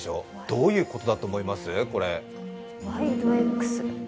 どういうことだと思います？